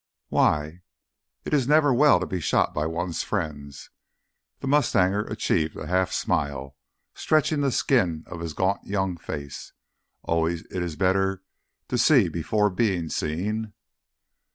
"Why?" "It is never well to be shot by one's friends." The mustanger achieved a half smile, stretching the skin of his gaunt young face. "Always it is better to see before being seen."